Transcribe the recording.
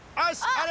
あれ？